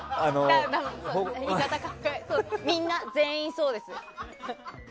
みんな、全員そうです。